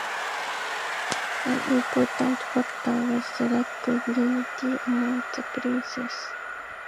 An important factor was the lack of unity among the princes.